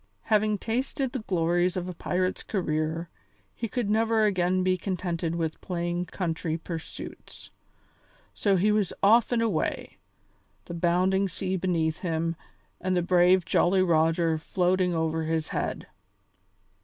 Having tasted the glories of a pirate's career, he could never again be contented with plain country pursuits. So he was off and away, the bounding sea beneath him and the brave Jolly Roger floating over his head.